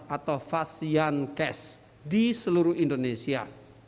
atau pasien cash di seluruh indonesia